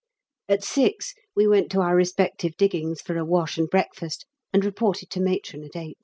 At 6 we went to our respective diggings for a wash and breakfast, and reported to Matron at 8.